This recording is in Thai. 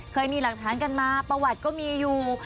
เคยมีหลักฐานกันมาประวัติก็มีอยู่